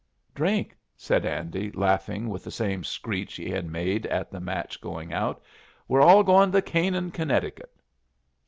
"Drink!" said Andy, laughing with the same screech he had made at the match going out. "We re all going to Canaan, Connecticut."